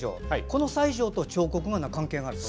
この西条と彫刻が関係があると。